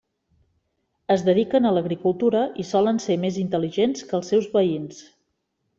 Es dediquen a l'agricultura i solen ser més intel·ligents que els seus veïns.